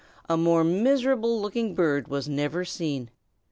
A more miserable looking bird was never seen.